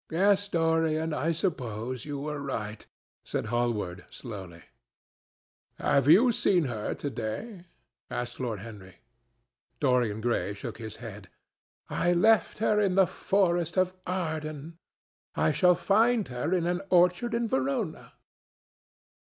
"Yes, Dorian, I suppose you were right," said Hallward slowly. "Have you seen her to day?" asked Lord Henry. Dorian Gray shook his head. "I left her in the forest of Arden; I shall find her in an orchard in Verona."